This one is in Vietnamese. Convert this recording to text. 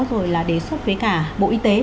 rồi là đề xuất với cả bộ y tế